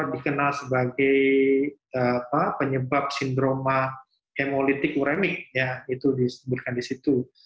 dikenal sebagai penyebab sindroma hemolitik uremi ya itu disebutkan di situ